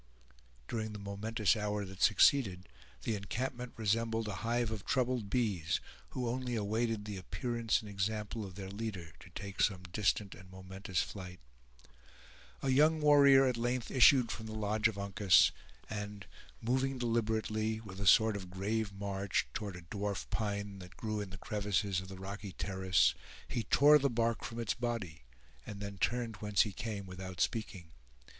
During the momentous hour that succeeded, the encampment resembled a hive of troubled bees, who only awaited the appearance and example of their leader to take some distant and momentous flight. A young warrior at length issued from the lodge of Uncas; and, moving deliberately, with a sort of grave march, toward a dwarf pine that grew in the crevices of the rocky terrace, he tore the bark from its body, and then turned whence he came without speaking.